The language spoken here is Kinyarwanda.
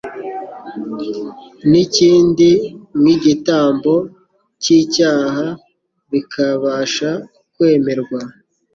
n'ikindi nk'igitambo cy'icyaha, bikabasha kwemerwa